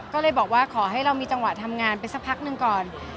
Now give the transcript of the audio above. ก็เลยบอกว่าขอให้เรามีจังหวะทำงานไปสักพักหนึ่งก่อน